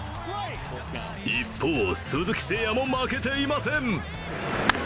一方、鈴木誠也も負けていません。